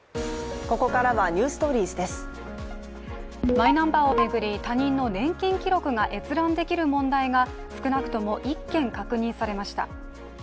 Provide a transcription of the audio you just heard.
マイナンバーを巡り、他人の年金記録が閲覧できる問題が少なくとも１件確認されました。